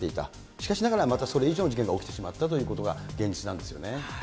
しかしながらまたそれ以上の事件が起きてしまったということが、現実なんですよね。